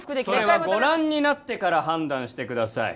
それはご覧になってから判断してください